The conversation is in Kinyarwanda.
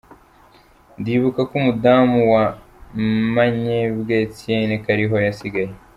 Ndibuka ko umudamu wa Manyembwa Étienne ko ariho yasigaye.